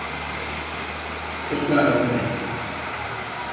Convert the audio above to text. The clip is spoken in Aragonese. Pues claro, hombre.